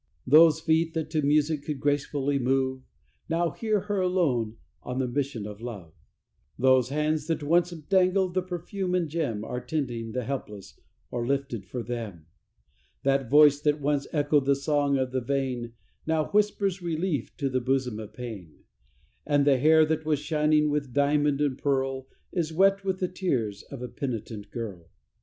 Those feet that to music could gracefully move Now hear her alone on the mission of love; Those hands that once dangled the perfume and gem Are tending the helpless or lifted for them; That voice that once echoed the song of the vain Now whispers relief to the bosom of pain; And the hair that was shining with diamond and pearl Is wet with the tears of a penitent girl.